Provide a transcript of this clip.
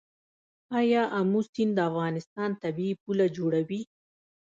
آیا امو سیند د افغانستان طبیعي پوله جوړوي؟